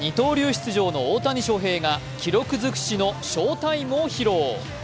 出場の大谷翔平が記録尽くしの翔タイムを披露。